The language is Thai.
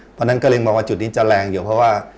เพราะฉะนั้นก็เลยมองว่าจุดนี้จะแรงอยู่เพราะว่า